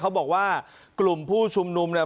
เขาบอกว่ากลุ่มผู้ชุมนุมเนี่ย